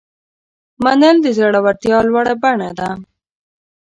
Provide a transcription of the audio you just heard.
منل د زړورتیا لوړه بڼه ده.